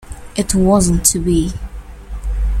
It wasn't to be.